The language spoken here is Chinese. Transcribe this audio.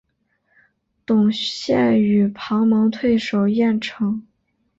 董宪与庞萌退守郯城。